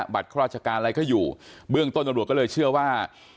ข้าราชการอะไรก็อยู่เบื้องต้นตำรวจก็เลยเชื่อว่า